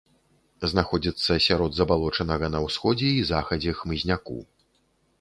Знаходзіцца сярод забалочанага на ўсходзе і захадзе хмызняку.